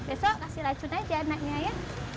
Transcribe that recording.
besok kasih racun aja anaknya ya